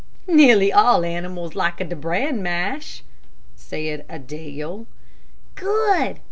"Nearly all animals like de bran mash," said Adele. "Good!"